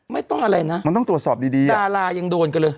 ไม่ต้องอะไรนะดารายังโดนกันเลยมันต้องตรวจสอบดี